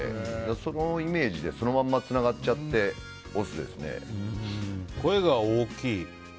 そのイメージでそのままつながっちゃって声が大きい。